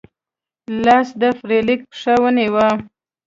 لاس د فلیریک پښه ونیوه.